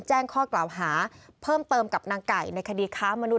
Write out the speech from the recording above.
แจ้งข้อกล่าวหาเพิ่มเติมกับนางไก่ในคดีค้ามนุษ